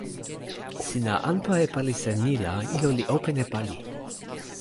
sina anpa e palisa ni la ilo li open e pali.